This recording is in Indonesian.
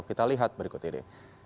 kita lihat berikut ini